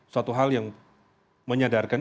suatu hal yang menyadarkan